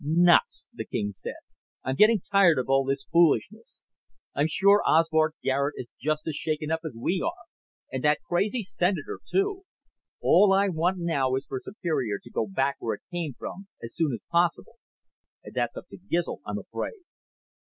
"Nuts," the king said. "I'm getting tired of all this foolishness. I'm sure Osbert Garet is just as shaken up as we are. And that crazy Senator, too. All I want now is for Superior to go back where it came from, as soon as possible. And that's up to Gizl, I'm afraid."